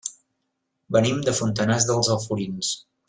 Venim de Fontanars dels Alforins.